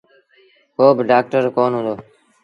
ڪو با ڊآڪٽر ڪونا هُݩدو۔